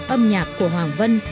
âm nhạc của hoàng vân